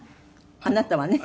あなたはね。